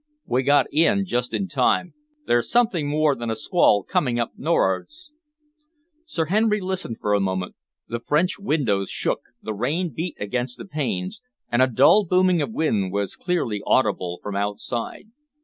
"We got in just in time. There's something more than a squall coming up nor'ards." Sir Henry listened for a moment. The French windows shook, the rain beat against the panes, and a dull booming of wind was clearly audible from outside.